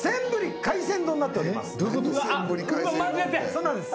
そうなんです